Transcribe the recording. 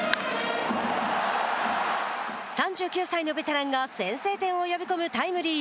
３９歳のベテランが先制点を呼び込むタイムリー